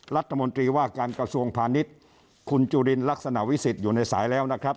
รัฐมนตรีว่าการกระทรวงพาณิชย์คุณจุลินลักษณะวิสิทธิ์อยู่ในสายแล้วนะครับ